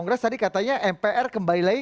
jadi tadi katanya mpr kembali lagi